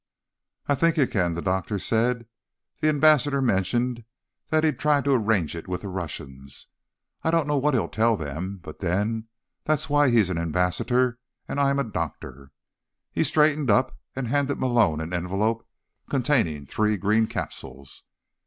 "I think you can," the doctor said. "The ambassador mentioned that he'd try to arrange it with the Russians. I don't know what he'll tell them—but then, that's why he's an ambassador, and I'm a doctor." He straightened up and handed Malone an envelope containing three green capsules.